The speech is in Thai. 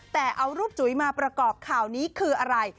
แต่เอารูปจุ๋ยมาประกอบข่าวนี้คืออะไร